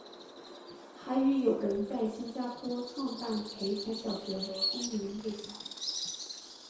还与友人在新加坡创办培才小学和工人夜校。